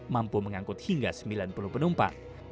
mampu mengangkut hingga sembilan puluh penumpang